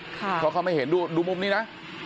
เพราะเขาไม่เห็นดูมุมนี้นะ